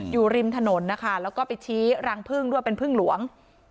อยู่ริมถนนนะคะแล้วก็ไปชี้รังพึ่งด้วยเป็นพึ่งหลวง